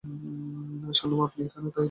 শুনলাম আপনি এখানে তাই দেখতে আসলাম।